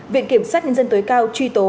viện kiểm sát nhân dân tối cao truy tố